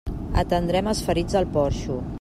Atendrem els ferits al porxo.